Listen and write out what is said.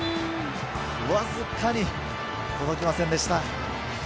わずかに届きませんでした。